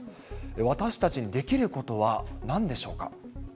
私たちにできることは、なんでしょうか。